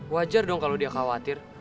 wajar dong kalau dia khawatir